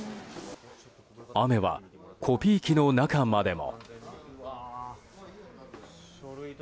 雨はコピー機の中までも。